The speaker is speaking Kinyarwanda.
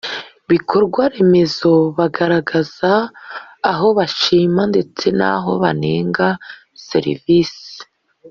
bikorwaremezo bagaragaza aho bashima ndetse n aho banenga Serivisi